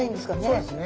そうですね。